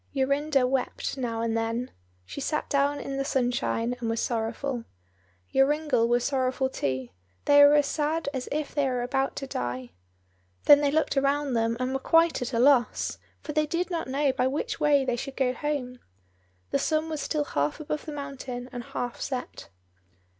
Jorinda wept now and then: she sat down in the sunshine and was sorrowful. Joringel was sorrowful too; they were as sad as if they were about to die. Then they looked around them, and were quite at a loss, for they did not know by which way they should go home. The sun was still half above the mountain and half set.